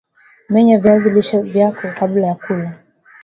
Menya viazi lishe vyako kabla ya kula